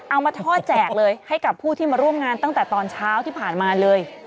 เอามาทอดแจกเลยให้กับผู้ที่มาร่วมงานตั้งแต่ตอนเช้าที่ผ่านมาเลย